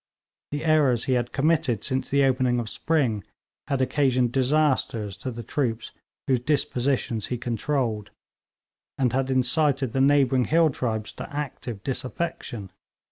The errors he had committed since the opening of spring had occasioned disasters to the troops whose dispositions he controlled, and had incited the neighbouring hill tribes to active disaffection.